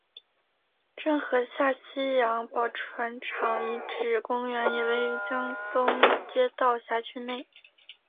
郑和下西洋宝船厂遗址公园也位于江东街道辖区内。